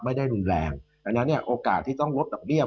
ไม่ได้รุนแรงดังนั้นเนี่ยโอกาสที่ต้องลดดอกเบี้ย